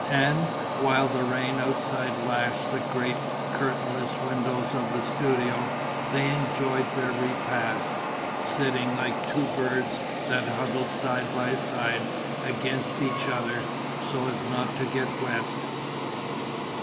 And, while the rain outside lashed the great curtain less window of the studio, they enjoyed their repast, sitting like two birds that huddle side by side, against each other, so as not to get wet.